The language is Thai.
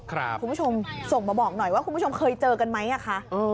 คุณผู้ชมส่งมาบอกหน่อยว่าคุณผู้ชมเคยเจอกันไหมคะ